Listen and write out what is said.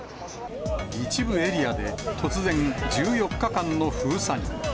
一部エリアで突然、１４日間の封鎖に。